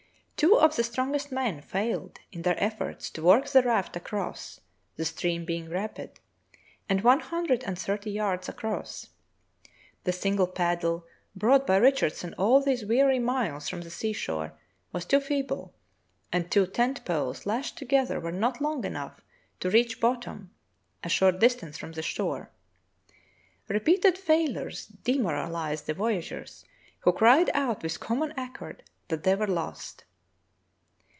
Two of the strongest men failed in their efforts to work the raft across, the stream being rapid and one hundred and thirty yards across. The single paddle, brought by Richardson all these weary miles from the sea shore, was too feeble, and two tent poles lashed together were not long enough to reach bottom a short distance from the shore. Repeated failures demoralized the voya geurs, who cried out with common accord that they were lost.